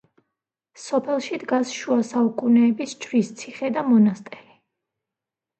სოფელში დგას შუა საუკუნეების „ჯვრის ციხე“ და მონასტერი.